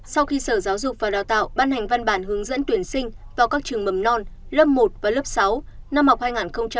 sau khi sở giáo dục và đào tạo ban hành văn bản hướng dẫn tuyển sinh vào các trường mầm non lớp một và lớp sáu năm học hai nghìn hai mươi hai nghìn hai mươi một